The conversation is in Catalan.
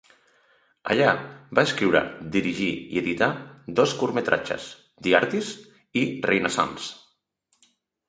Allà va escriure, dirigir i editar dos curtmetratges, "The Artist" i "Renaissance".